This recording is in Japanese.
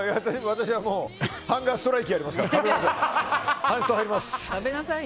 私はハンガーストライキやりますから、食べません。